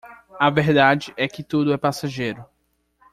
A verdade é que tudo é passageiro.